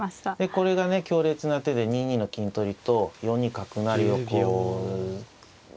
これがね強烈な手で２二の金取りと４二角成をこう狙ってるんですね。